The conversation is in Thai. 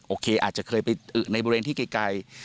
โอเคอาจจะเคยไปในบริเวณที่ไกล